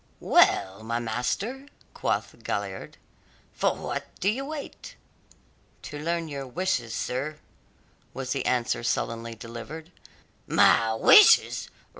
"Well, my master," quoth Galliard, "for what do you wait?" "To learn your wishes, sir," was the answer sullenly delivered. "My wishes!